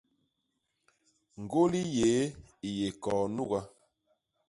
Ñgôli yéé i yé koo nuga.